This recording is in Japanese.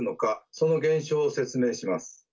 その現象を説明します。